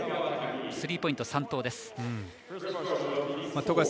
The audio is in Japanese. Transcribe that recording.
スリーポイント３投。